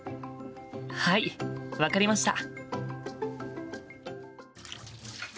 はい分かりました！